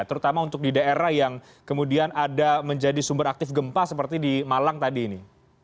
terutama untuk di daerah yang kemudian ada menjadi sumber aktif gempa seperti di malang tadi ini